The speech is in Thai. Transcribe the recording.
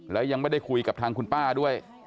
แล้วยังไม่ได้คุยกับทางคุณป้าด้วย